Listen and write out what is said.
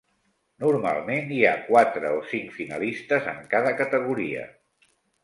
Normalment, hi ha quatre o cinc finalistes en cada categoria.